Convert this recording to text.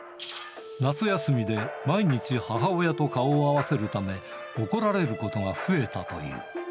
夏休みで、毎日母親と顔を合わせるため、怒られることが増えたという。